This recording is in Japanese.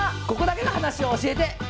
「ここだけの話」を教えて！